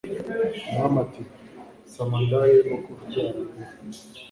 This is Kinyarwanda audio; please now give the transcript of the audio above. umwami ati samandari wo kabyara we